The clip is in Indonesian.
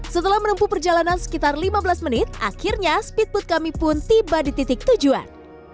setelah menempuh perjalanan sekitar lima belas menit akhirnya speedboat kami pun tiba di titik tujuan